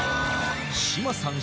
志麻さん